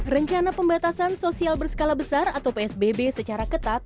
rencana pembatasan sosial berskala besar atau psbb secara ketat